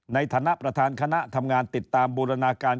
ในฐานะประธานคณะทำงานติดตามบูรณาการ